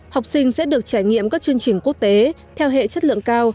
học sinh sẽ được trải nghiệm các chương trình quốc tế theo hệ chất lượng cao